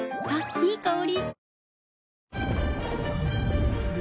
いい香り。